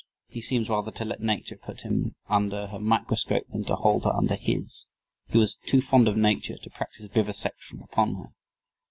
He seems rather to let Nature put him under her microscope than to hold her under his. He was too fond of Nature to practice vivisection upon her.